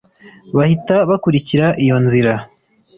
bahita bakurikira iyo nzira